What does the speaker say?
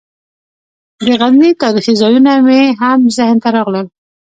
د غزني تاریخي ځایونه مې هم ذهن ته راغلل.